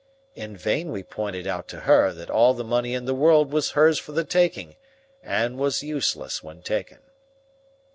In vain we pointed out to her that all the money in the world was hers for the taking and was useless when taken.